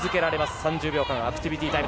３０秒間のアクティビティタイム。